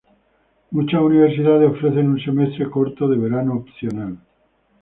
Muchas universidades ofrecen un semestre corto de verano opcional.